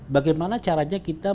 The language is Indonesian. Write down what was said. bagaimana caranya kita